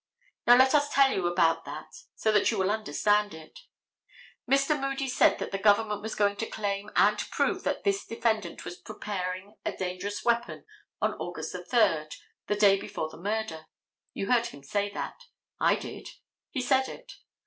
Now let us tell you about that so that you will understand it. Mr. Moody said that the government was going to claim and prove that this defendant was preparing a dangerous weapon on August 3, the day before the murder. You heard him say that. I did. He said it.